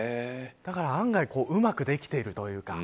だから案外うまくできているというか。